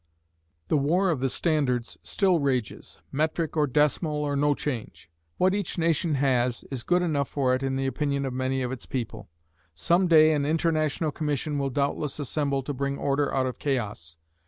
The war of the standards still rages metric, or decimal, or no change. What each nation has is good enough for it in the opinion of many of its people. Some day an international commission will doubtless assemble to bring order out of chaos.